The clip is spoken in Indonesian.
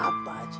hmm makasih ya